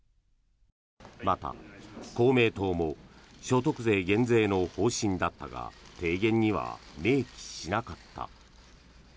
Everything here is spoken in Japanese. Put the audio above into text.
また、公明党も所得税減税の方針だったが提言には明記しなかった。